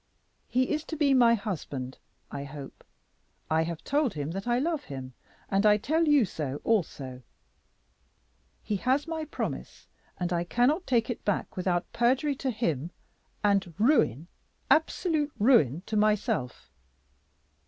"He is to be my husband, I hope. I have told him that I love him, and I tell you so also. He has my promise, and I cannot take it back without perjury to him, and ruin, absolute ruin, to myself.